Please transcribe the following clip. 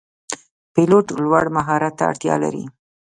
پیلوټ لوړ مهارت ته اړتیا لري.